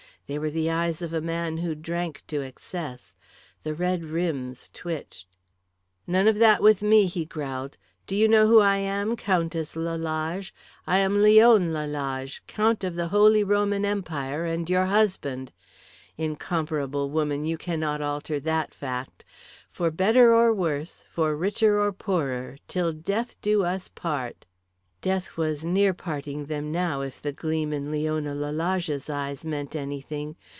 They were the eyes of a man who drank to excess. The red rims twitched. "None of that with me," he growled. "Do you know who I am, Countess Lalage? I am Leon Lalage, Count of the Holy Roman Empire, and your husband. Incomparable woman, you cannot alter that fact. For better or worse, for richer or poorer, till death do us part!" Death was near parting them now if the gleam in Leona Lalage's eyes meant anything.